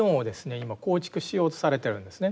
今構築しようとされてるんですね。